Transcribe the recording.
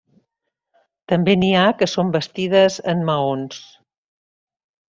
També n'hi ha que són bastides en maons.